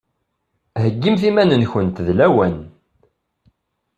Heggimt iman-nkunt d lawan!